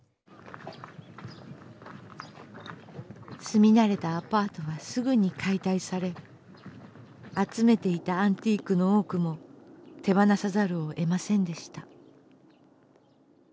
住み慣れたアパートはすぐに解体され集めていたアンティークの多くも手放さざるをえませんでした。